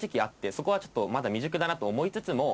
そこはまだ未熟だなと思いつつも。